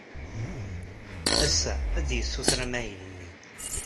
Ass-a, ad yessuter amahil-nni.